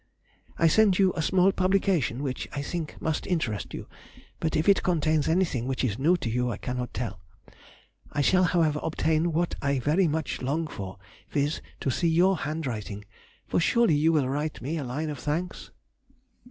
I send you a small publication which I think must interest you, but if it contains anything which is new to you I cannot tell. I shall, however, obtain what I very much long for, viz., to see your handwriting, for surely you will write me a line of thanks?